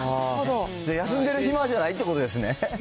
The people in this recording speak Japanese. じゃあ、休んでる暇じゃないということですね。